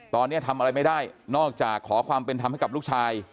ตอนนี้ทำอะไรไม่ได้นอกจากขอความเป็นธรรมให้กับลูกชาย